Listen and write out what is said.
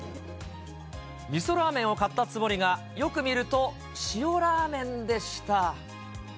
みそラーメンを買ったつもりが、よく見ると塩ラーメンでした。